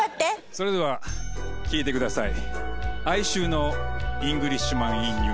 それでは聴いてください。